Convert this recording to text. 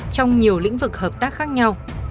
trong nhiều lĩnh vực hợp tác khác nhau